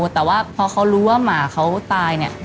แต่พอเค้ารู้หมาเค้าตายเนี่ย